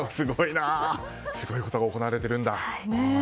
すごいことが行われているんだ。